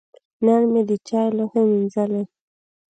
نن مې د چای لوښی مینځلي.